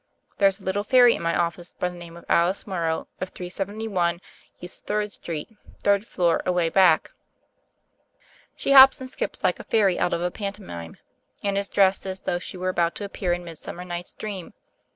There's a little fairy in my office by THE FAIRY OF THE SNOWS 17 the name of Alice Morrow of 371 E. Third St., third floor, away back. She hops and skips like a fairy out of a pantomime, and is dressed as though she were about to appear in Midsummer Night's Dream.